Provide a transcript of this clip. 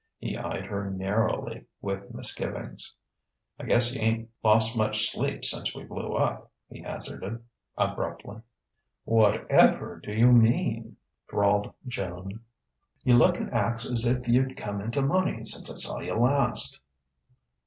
He eyed her narrowly, with misgivings. "I guess you ain't lost much sleep since we blew up," he hazarded abruptly. "What_ever_ do you mean?" drawled Joan. "You look and act's if you'd come into money since I saw you last."